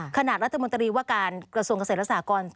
รัฐมนตรีว่าการกระทรวงเกษตรและสากร